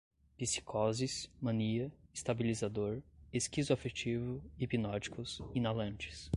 psicoses, mania, estabilizador, esquizoafetivo, hipnóticos, inalantes